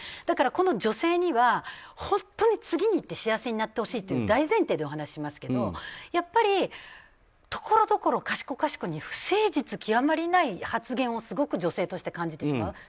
だから、この女性には本当に次にいって幸せになってほしいという大前提でお話ししますけどやっぱり、ところどころかしこかしこに不誠実極まりない発言をすごく女性として感じてしまう。